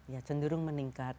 ya cenderung meningkat